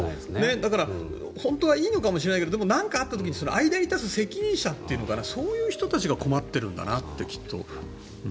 だから本当はいいのかもしれないけど何かあった時に間に立つ責任者とかそういう人たちが困っているんだなって。